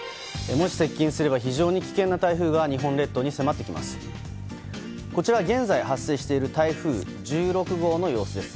もし接近すれば非常に危険な台風が日本列島に迫ってきます。